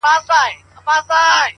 گراني دا هيله كوم،